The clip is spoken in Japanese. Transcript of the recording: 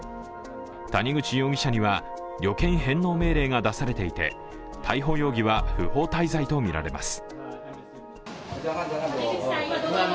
谷口容疑者には旅券返納命令が出されていて、逮捕容疑は不法滞在とみられます。